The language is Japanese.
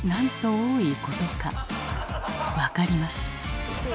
分かります。